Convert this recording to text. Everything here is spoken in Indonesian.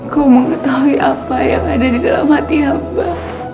kau mengetahui apa yang ada di dalam hati apa